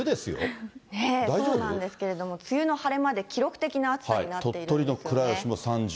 そうなんですけれども、梅雨の晴れ間で記録的な暑さになっているんですよね。